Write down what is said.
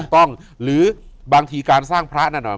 ถูกต้องหรือบางทีการสร้างพระแน่นอน